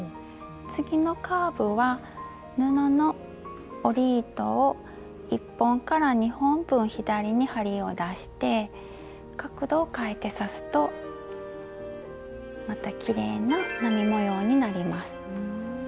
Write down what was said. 次のカーブは布の織り糸を１本から２本分左に針を出して角度をかえて刺すとまたきれいな波模様になります。